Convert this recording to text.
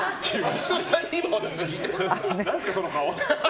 何すか、その顔。